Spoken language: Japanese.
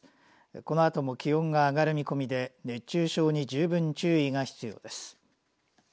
このあとも気温が上がる見込みで熱中症に十分注意が必要です。